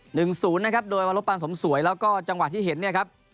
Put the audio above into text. หนึ่งศูนย์นะครับโดยวรบปานสมสวยแล้วก็จังหวะที่เห็นเนี่ยครับ